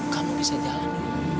kamu bisa jalan